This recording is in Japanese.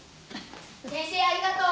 先生ありがとう。